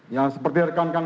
yang seperti rekan rekan